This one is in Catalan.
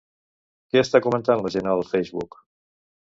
Què està comentant la gent al Facebook?